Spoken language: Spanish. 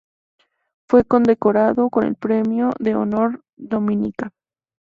Fue condecorado con el Premio de Honor Dominica.